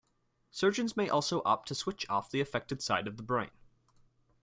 Surgeons may also opt to "switch-off" the affected side of the brain.